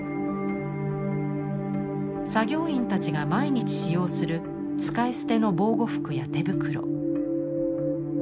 作業員たちが毎日使用する使い捨ての防護服や手袋。